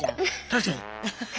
確かに。